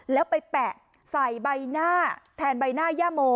แล้วไปแปะใส่ใบหน้าแทนใบหน้าย่าโม